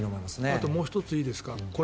あともう１ついいですか？